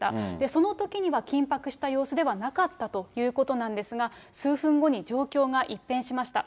そのときには緊迫した様子ではなかったということなんですが、数分後に状況が一変しました。